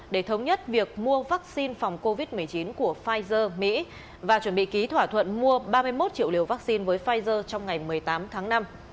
để thống nhất việc mua vaccine phòng covid một mươi chín của pfizer mỹ và chuẩn bị ký thỏa thuận mua ba mươi một triệu liều vaccine với pfizer trong ngày một mươi tám tháng năm